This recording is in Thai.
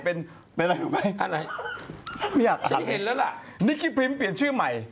เป็นเป็นอะไรรู้ไหมอะไรไม่อยากฉันเห็นแล้วล่ะนิกกี้พริมเปลี่ยนชื่อใหม่